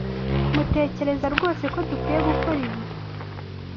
Mutekereza rwose ko dukwiye gukora ibi?